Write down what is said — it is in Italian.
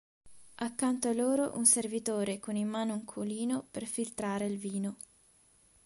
Accanto a loro un servitore con in mano un colino per filtrare il vino.